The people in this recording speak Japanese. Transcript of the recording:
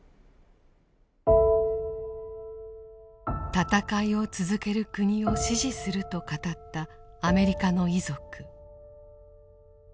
「戦いを続ける国を支持する」と語ったアメリカの遺族。